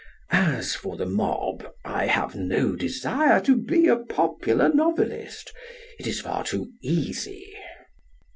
As for the mob, I have no desire to be a popular novelist. It is far too easy.